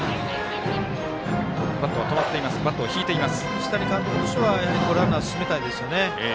西谷監督としてはやはりランナー進めたいですよね。